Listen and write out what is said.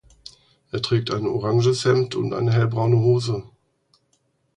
Er trägt ein oranges Hemd und eine hellbraune Hose.